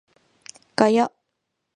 ガヤ